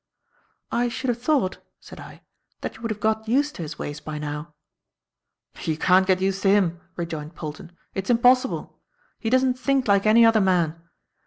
"I should have thought," said I, "that you would have got used to his ways by now." "You can't get used to him," rejoined Polton. "It's impossible. He doesn't think like any other man.